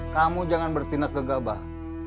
kamu jangan bertindak gegabah